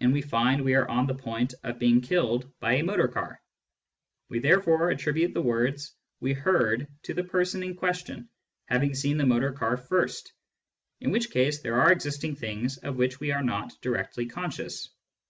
and we find we are on the point of being killed by a motor car ; we therefore attribute the words we heard to the person in question having seen the motor car first, in which case there are existing things of which we are not directly conscious.